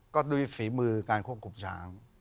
ก็ด้วยฝีมือการควบคุมช้าง